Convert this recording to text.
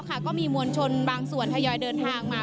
ก็มีมวลชนบางส่วนทยอยเดินทางมา